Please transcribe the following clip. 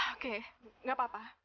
oke gak apa apa